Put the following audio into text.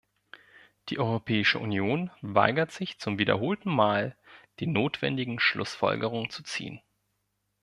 Die Europäische Union weigert sich zum wiederholten Mal, die notwendigen Schlussfolgerungen zu ziehen.